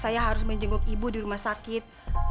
saya harus menjenguk ibu di rumah sakit